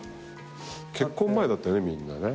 結婚前だったよねみんなね。